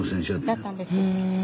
だったんです。